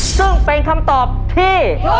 ซึ่งเป็นคำตอบที่